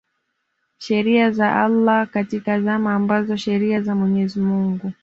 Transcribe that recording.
sheria za Allah katika zama ambazo sheria za Mwenyezi Mungu